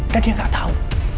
dan dia gak tau